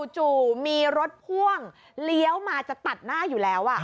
จู่มีรถพ่วงเลี้ยวมาจะตัดหน้าอยู่แล้ว